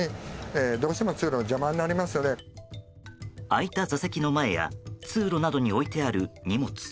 空いた座席の前や通路などに置いてある荷物。